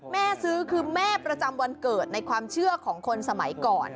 แม่ซื้อคือแม่ประจำวันเกิดในความเชื่อของคนสมัยก่อน